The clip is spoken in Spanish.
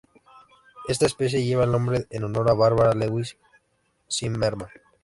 Esta especie lleva el nombre en honor a Barbara Lewis Zimmerman.